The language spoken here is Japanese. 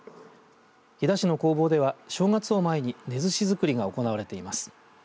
飛彈市の工房では正月を前にねずしづくりが行われています。